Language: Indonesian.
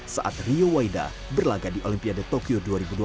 saat rio waida berlaga di olimpiade tokyo dua ribu dua puluh